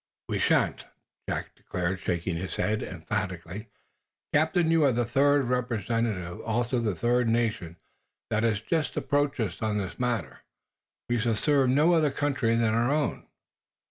"We shan't," Jack declared, shaking his head, emphatically. "Captain, you are the third, representing also the third nation, that has just approached us on this matter. We shall serve no other country than our own."